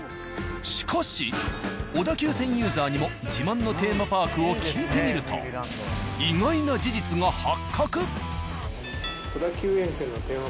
しかし小田急線ユーザーにも自慢のテーマパークを聞いてみると意外な事実が発覚。